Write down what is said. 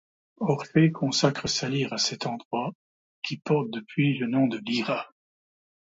Orphée consacre sa lyre à cet endroit, qui porte depuis le nom de Lyra.